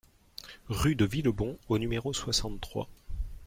Rue de Villebon au numéro soixante-trois